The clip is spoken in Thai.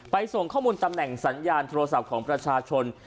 ส่งข้อมูลตำแหน่งสัญญาณโทรศัพท์ของประชาชน